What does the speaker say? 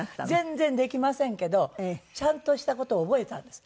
全然できませんけどちゃんとした事を覚えたんです。